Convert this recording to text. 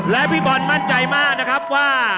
และพี่บอลมั่นใจมากนะครับว่า